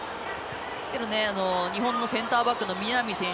日本のセンターバックの選手